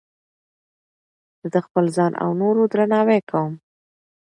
زه د خپل ځان او نورو درناوی کوم.